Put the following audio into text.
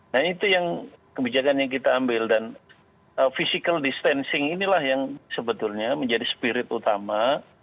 nah itu yang kebijakan yang kita ambil dan physical distancing inilah yang sebetulnya menjadi spirit utama